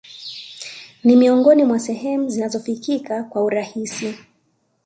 Ni miongoni mwa sehemu zinazofikika kwa urahisi